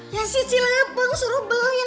ya si cilepeng suruh beliin